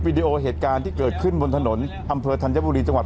ดีโอเหตุการณ์ที่เกิดขึ้นบนถนนอำเภอธัญบุรีจังหวัด